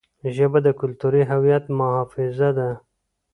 ژبه د کلتوري هویت محافظه ده.